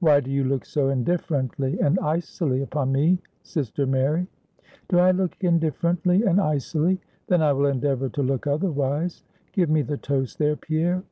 "Why do you look so indifferently and icily upon me, sister Mary?" "Do I look indifferently and icily? Then I will endeavor to look otherwise. Give me the toast there, Pierre."